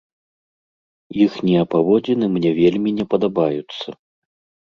Іхнія паводзіны мне вельмі не падабаюцца.